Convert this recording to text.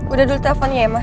udah dulu telepon ya ma